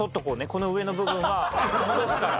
この上の部分は戻すから。